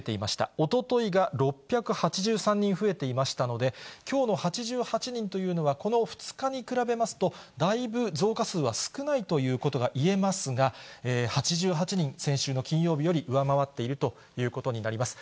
おとといが６８３人増えていましたので、きょうの８８人というのはこの２日に比べますと、だいぶ増加数は少ないということがいえますが、８８人、先週の金曜日より上回っているということになります。